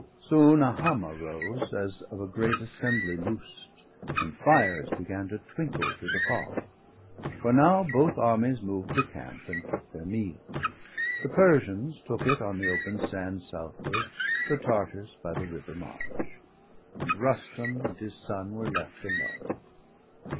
Soon a hum arose, As of a great assembly loosed, and fires Began to twinkle through the fog; for now 870 Both armies moved to camp, and took their meal; The Persians took it on the open sands Southward, the Tartars by the river marge; And Rustum and his son were left alone.